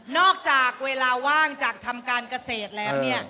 เวลาว่างจากทำการเกษตรแล้วเนี่ย